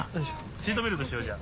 シートベルトしようじゃあ。